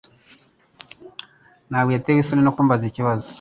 Ntabwo yatewe isoni no kumbaza ikibazo.